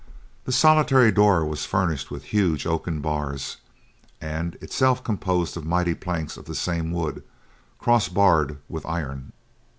The solitary door was furnished with huge oaken bars, and itself composed of mighty planks of the same wood, cross barred with iron.